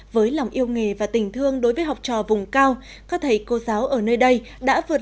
với lòng yêu nghề và tình thương đối với học trò vùng cao các thầy cô giáo ở nơi đây đã vượt